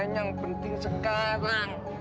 yang penting sekarang